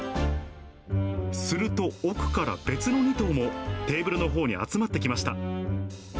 すると奥から別の２頭も、テーブルのほうに集まってきました。